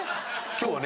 今日はね。